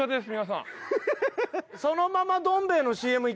そのまま。